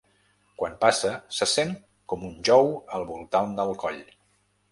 Quan passa, se sent com un jou al voltant del coll.